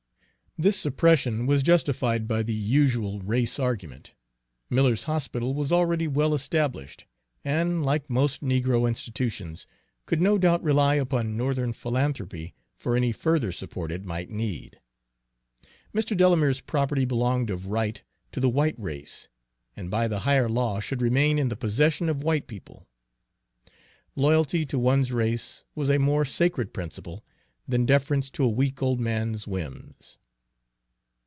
This suppression was justified by the usual race argument: Miller's hospital was already well established, and, like most negro institutions, could no doubt rely upon Northern philanthropy for any further support it might need. Mr. Delamere's property belonged of right to the white race, and by the higher law should remain in the possession of white people. Loyalty to one's race was a more sacred principle than deference to a weak old man's whims.